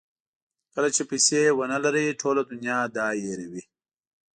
کله چې پیسې ونلرئ ټوله دنیا دا هیروي.